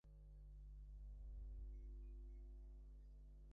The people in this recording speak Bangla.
ব্লাড লিখেছেন, খুব সকালে ছাত্ররা আজিমপুর সমাধিতে জড়ো হতে শুরু করেন।